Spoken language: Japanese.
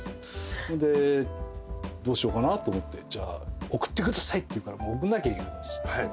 それでどうしようかな？と思って「じゃあ送ってください」って言うから送んなきゃいけなくなっちゃって。